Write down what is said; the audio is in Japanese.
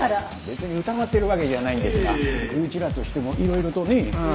別に疑ってるわけじゃないんですがうちらとしても色々とねぇ。ああ。